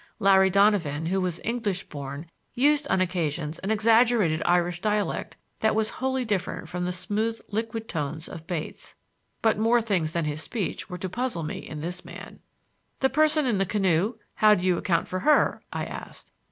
Larry Donovan, who was English born, used on occasions an exaggerated Irish dialect that was wholly different from the smooth liquid tones of Bates. But more things than his speech were to puzzle me in this man. "The person in the canoe? How do you account for her?" I asked.